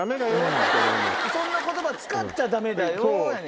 「そんな言葉使っちゃダメだよ」やねんけど。